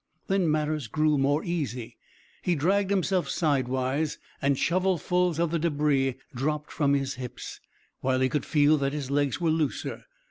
Then matters grew more easy; he dragged himself sidewise, and shovelfuls of the debris dropped from his hips, while he could feel that his legs were looser.